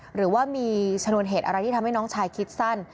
หรือว่ามีชนวนเหตุอะไรที่ทำให้น้องชายคิดสั้น